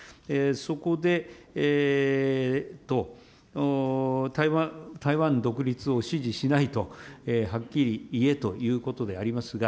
そこで、台湾独立を支持しないとはっきり言えということでありますが、